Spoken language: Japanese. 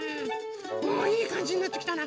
おおいいかんじになってきたな。